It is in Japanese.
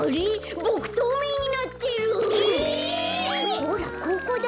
ほらここだよ。